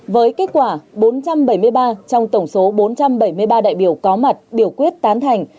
với kết quả bốn trăm bảy mươi ba trong tổng số bốn trăm bảy mươi ba đại biểu có mặt biểu quyết tán thành